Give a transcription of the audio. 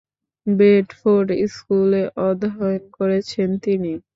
Bedford স্কুলে অধ্যয়ন করেছেন তিনি।